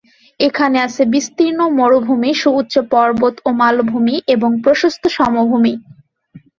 এখানে আছে বিস্তীর্ণ মরুভূমি, সুউচ্চ পর্বত ও মালভূমি, এবং প্রশস্ত সমভূমি।